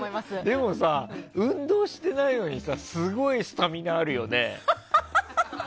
でも、運動してないのにすごいスタミナあるよね。